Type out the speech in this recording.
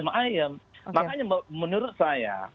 makanya menurut saya